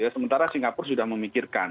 sementara singapura sudah memikirkan